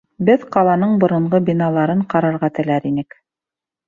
Беҙ ҡаланың боронғо биналарын ҡарарға теләр инек.